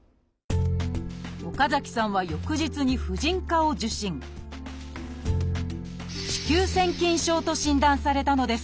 岡崎さんは翌日にと診断されたのです。